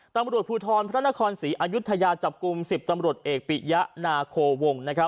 ตำรวจภูทรพระนครศรีอายุทยาจับกลุ่ม๑๐ตำรวจเอกปิยะนาโควง